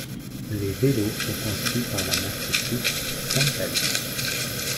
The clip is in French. Les vélos sont conçus par la marque suisse Simpel.